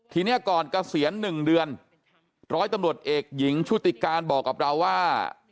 ทีนี้ก่อนเกษียณ๑เดือนร้อยตำรวจเอกหญิงชุติการบอกกับเราว่า